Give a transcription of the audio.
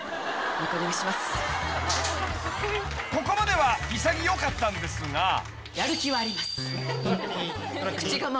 ［ここまでは潔かったんですが］